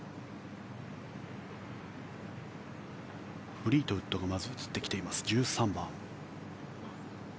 フリートウッドがまず映ってきています、１３番。